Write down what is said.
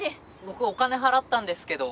僕お金払ったんですけど。